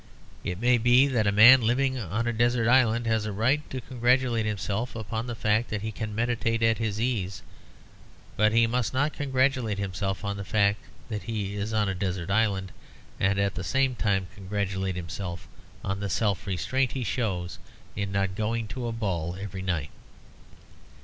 It may be that a man living on a desert island has a right to congratulate himself upon the fact that he can meditate at his ease. But he must not congratulate himself on the fact that he is on a desert island, and at the same time congratulate himself on the self restraint he shows in not going to a ball every night.